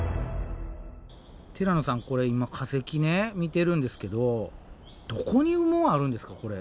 ティラノさんこれ今化石見てるんですけどどこに羽毛あるんですかこれ。